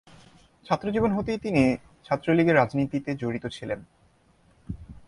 ছাত্রজীবন হতেই তিনি ছাত্রলীগের রাজনীতিতে জড়িত ছিলেন।